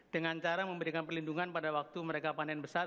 dengan cara memberikan perlindungan pada waktu mereka panen besar